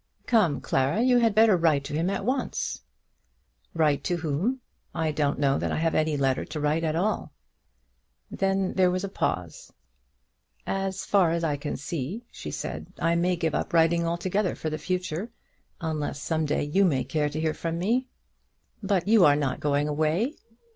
Come, Clara, you had better write to him at once." "Write to whom? I don't know that I have any letter to write at all." Then there was a pause. "As far as I can see," she said, "I may give up writing altogether for the future, unless some day you may care to hear from me." "But you are not going away."